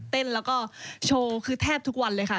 เล่นแล้วก็โชว์คือแทบทุกวันเลยค่ะ